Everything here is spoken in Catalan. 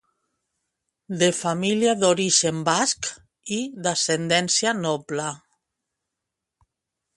De família d'origen basc i d'ascendència noble.